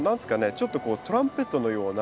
ちょっとこうトランペットのような。